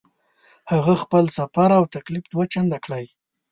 هغه خپل سفر او تکلیف دوه چنده کړی.